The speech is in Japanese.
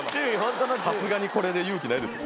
さすがにこれで勇気ないですよ。